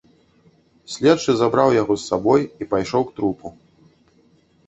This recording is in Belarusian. Следчы забраў яго з сабой і пайшоў к трупу.